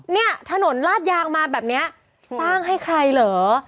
เนี่ยถนนลาดยางมาแบบนี้สร้างให้ใครเหรอ